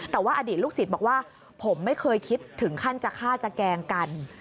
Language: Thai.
แต่ว่าอดีตลูกศิษย์บอกว่าผมไม่เคยคิดถึงขั้นจะฆ่าจะแกล้งกัน